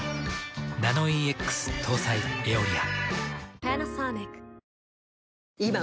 ナノイーＸ搭載「エオリア」。